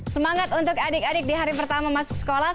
semangat untuk adik adik di hari pertama masuk sekolah